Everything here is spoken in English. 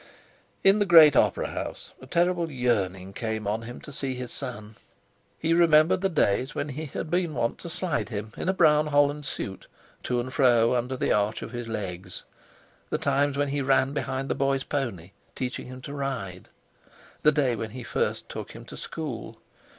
In the great opera house a terrible yearning came on him to see his son. He remembered the days when he had been wont to slide him, in a brown holland suit, to and fro under the arch of his legs; the times when he ran beside the boy's pony, teaching him to ride; the day he first took him to school.